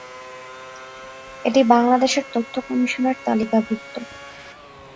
এটি বাংলাদেশের তথ্য কমিশন এর তালিকাভুক্ত।